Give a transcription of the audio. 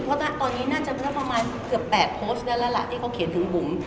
เพราะตอนนี้น่าจะเกือบ๘โพสต์แล้วล่ะที่เขาเขียนถึงบุ๋ม